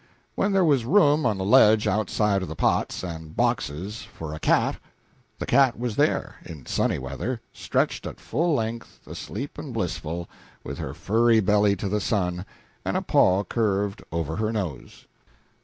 When there was room on the ledge outside of the pots and boxes for a cat, the cat was there in sunny weather stretched at full length, asleep and blissful, with her furry belly to the sun and a paw curved over her nose.